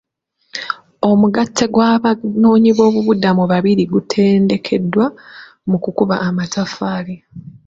Omugatte gw'abanoonyi b'obubuddamu bibiri gutendekeddwa mu kukuba amatafaali .